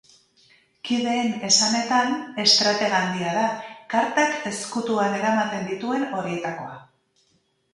Kideen esanetan, estratega handia da, kartak ezkutuan eramaten dituen horietakoa.